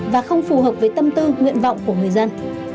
và không phù hợp với tâm tư nguyện vọng của người dân